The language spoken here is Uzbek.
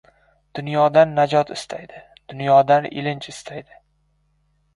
Dunyodan najot istaydi. Dunyodan ilinj istaydi…